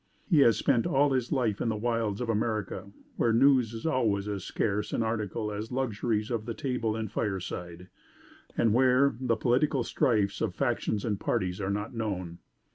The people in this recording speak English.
He has spent all his life in the wilds of America where news is always as scarce an article as luxuries of the table and fire side, and, where the political strifes of factions and parties are not known.